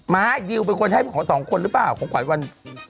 ้าดิวเป็นคนให้ขอสองคนหรือเปล่าของขวัญวัน